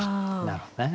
なるほどね。